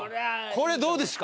これどうですか？